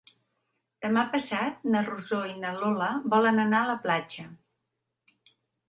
Demà passat na Rosó i na Lola volen anar a la platja.